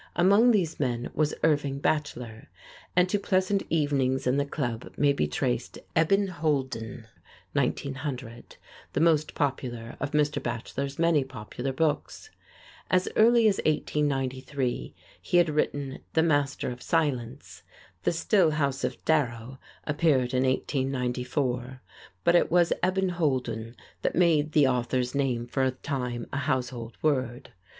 Among these men was Irving Bacheller, and to pleasant evenings in the club may be traced "Eben Holden" (1900), the most popular of Mr. Bacheller's many popular books. As early as 1893, he had written "The Master of Silence;" "The Still House of Darrow" appeared in 1894. But it was "Eben Holden" that made the author's name for a time a household word.